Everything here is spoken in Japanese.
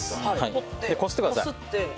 で、こすってください。